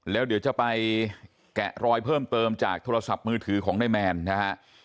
แล้วเดี๋ยวจะไปแกะรอยเพิ่มเติมจากโทรศัพท์มือถือของนายแมนนะฮะ